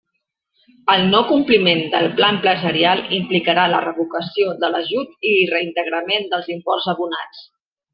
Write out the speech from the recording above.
El no-compliment del pla empresarial implicarà la revocació de l'ajut i reintegrament dels imports abonats.